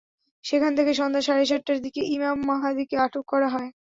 সেখান থেকে সন্ধ্যা সাড়ে সাতটার দিকে ইমাম মাহাদিকে আটক করা হয়।